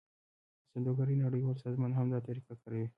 د سوداګرۍ نړیوال سازمان هم دا طریقه کاروي